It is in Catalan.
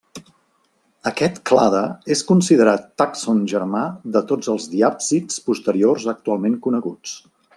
Aquest clade és considerat tàxon germà de tots els diàpsids posteriors actualment coneguts.